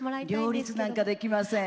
両立なんてできません。